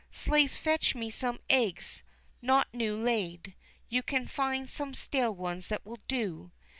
"Slaves, fetch me some eggs not new laid you can find some stale ones that will do.